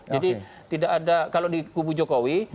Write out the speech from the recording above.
jadi tidak ada kalau di kubu jokowi